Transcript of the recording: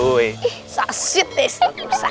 saksit nih ustadz usaha